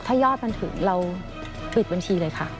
ถ้ายอดมันถึงเราปิดบัญชีเลยค่ะ